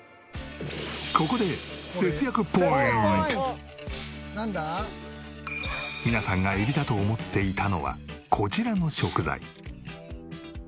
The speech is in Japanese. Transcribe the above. ここで皆さんがエビだと思っていたのはこちらの食材。